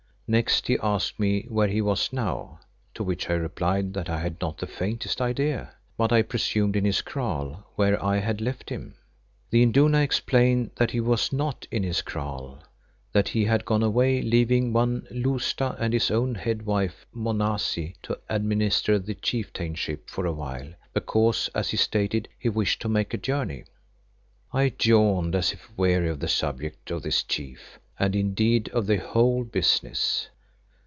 Next he asked me where he was now, to which I replied that I had not the faintest idea, but I presumed in his kraal where I had left him. The Induna explained that he was not in his kraal; that he had gone away leaving one Lousta and his own head wife Monazi to administer the chieftainship for a while, because, as he stated, he wished to make a journey. I yawned as if weary of the subject of this chief, and indeed of the whole business.